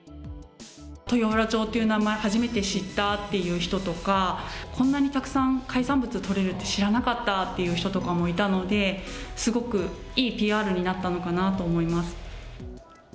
豊浦町っていう名前、初めて知ったっていう人とか、こんなにたくさん海産物取れるって知らなかったっていう人とかもいたので、すごくいいＰＲになったのかなと思います。